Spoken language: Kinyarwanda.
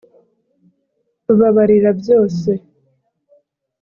rubabarira byose